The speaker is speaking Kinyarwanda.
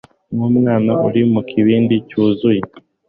Nkumwana uri mukibindi cyuzuye